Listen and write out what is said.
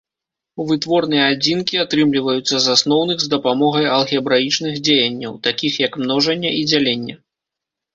Вытворныя адзінкі атрымліваюцца з асноўных з дапамогай алгебраічных дзеянняў, такіх як множанне і дзяленне.